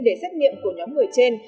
để xét nghiệm của nhóm người trên